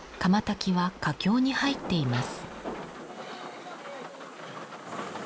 焚きは佳境に入っています